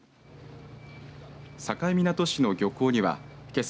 境港市の漁港にはけさ